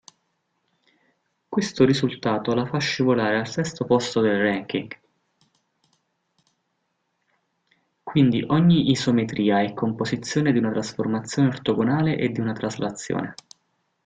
Quindi ogni isometria è composizione di una trasformazione ortogonale e di una traslazione.